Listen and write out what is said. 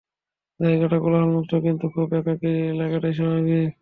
জায়গাটা কোলাহলমুক্ত, কিন্তু খুব একাকী লাগাটাই স্বাভাবিক।